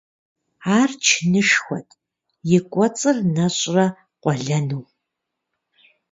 Ар чынышхуэт, и кӀуэцӀыр нэщӀрэ къуэлэну .